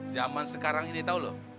zaman sekarang ini tahu loh